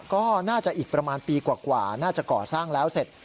ก็น่าจะอีกประมาณปีกว่าน่าจะก่อสร้างแล้วเสร็จ